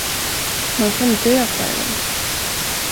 Man kan dö för den.